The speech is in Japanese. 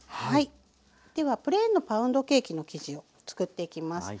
ではプレーンのパウンドケーキの生地をつくっていきます。